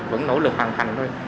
vẫn nỗ lực hoàn thành thôi